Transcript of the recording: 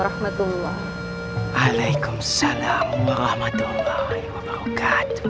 assalamualaikum warahmatullahi wabarakatuh